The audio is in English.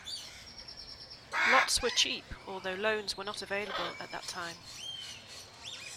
Lots were cheap, although loans were not available at that time.